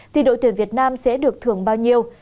thì đội tuyển việt nam sẽ được thưởng bao nhiêu